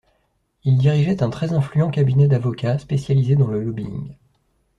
Il dirigeait un très influent cabinet d'avocat spécialisé dans le Lobbying.